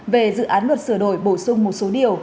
về dự án luật sửa đổi bổ sung một số điều